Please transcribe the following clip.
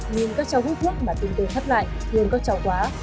nhìn các cháu hút thuốc mà tình tôi khắc lại thương các cháu quá